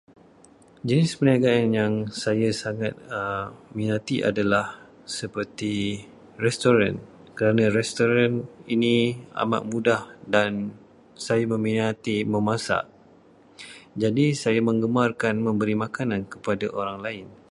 Jenis perniagaan yang saya sangat minati adalah seperti restoran, kerana restoran ini amat mudah dan saya meminati memasak. Jadi saya menggemarkan memberi makanan kepada orang lain.